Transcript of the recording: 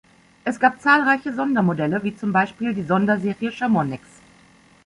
Es gab zahlreiche Sondermodelle, wie zum Beispiel die Sonderserie "Chamonix".